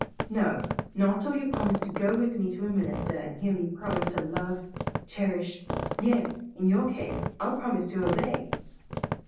"No, not till you promise to go with me to a minister and hear me promise to love, cherish yes, in your case I'll promise to obey."